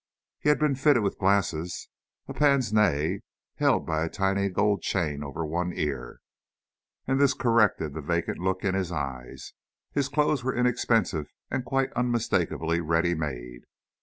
He had been fitted with glasses, a pince nez, held by a tiny gold chain over one ear, and this corrected the vacant look in his eyes. His clothes were inexpensive and quite unmistakably ready made.